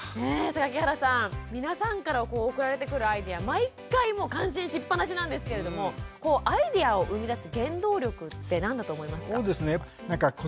榊原さん皆さんから送られてくるアイデア毎回感心しっぱなしなんですけれどもアイデアを生み出す原動力って何だと思いますか？